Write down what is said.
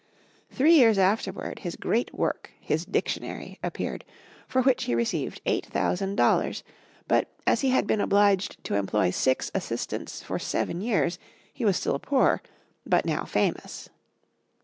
Three years afterward, his great work, his Dictionary, appeared, for which he received eight thousand dollars; but, as he had been obliged to employ six assistants for seven years, he was still poor, but now famous.